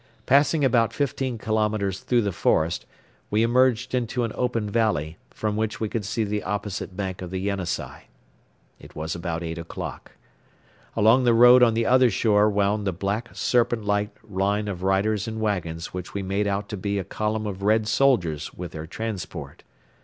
Passing about fifteen kilometres through the forest we emerged into an open valley, from which we could see the opposite bank of the Yenisei. It was about eight o'clock. Along the road on the other shore wound the black serpent like line of riders and wagons which we made out to be a column of Red soldiers with their transport.